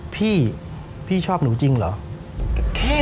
พี่พี่ชอบหนูจริงเหรอ